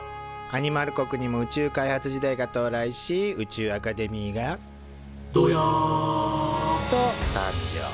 アニマル国にも宇宙開発時代が到来し宇宙アカデミーが「ドヤァ！」と誕生。